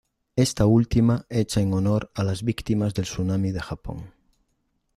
Esta última hecha en honor a las víctimas del tsunami de Japón.